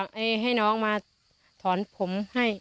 เรียกให้น้องมาถอนผมให้